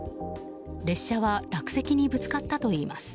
列車は落石にぶつかったといいます。